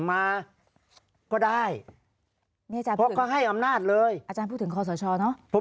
มาก็ได้เพราะก็ให้อำนาจเลยอาจารย์พูดถึงคสชรเนาะผม